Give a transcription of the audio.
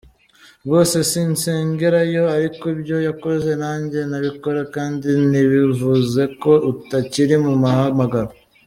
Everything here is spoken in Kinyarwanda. rwose sinsengerayo ariko ibyo yakoze nanjye nabikora kandi ntibivuzeko utakiri mu muhamagaro.